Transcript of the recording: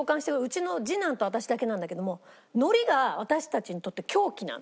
うちの次男と私だけなんだけども海苔が私たちにとって凶器なの。